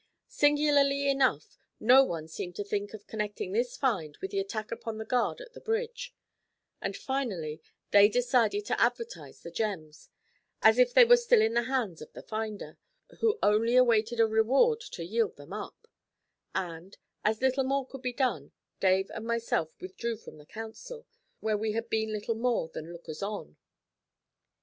Singularly enough, no one seemed to think of connecting this find with the attack upon the guard at the bridge, and, finally, they decided to advertise the gems, as if they were still in the hands of the finder, who only awaited a reward to yield them up; and, as little more could be done, Dave and myself withdrew from the council, where we had been little more than lookers on.